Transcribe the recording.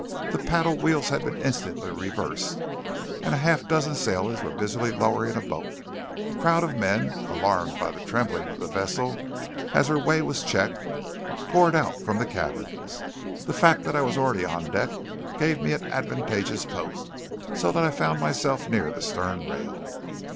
The paddle wheels had been instantly reversed, and a half dozen sailors were busily lowering a boat. A crowd of men, alarmed by the trembling of the vessel as her way was checked, poured out from the cabins. The fact that I was already on deck gave me an advantageous post; so that I found myself near the stern rail.